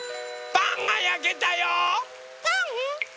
・パンがやけたよ！